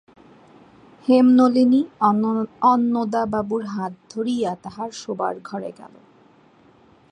হেমনলিনী অন্নদাবাবুর হাত ধরিয়া তাহার শোবার ঘরে গেল।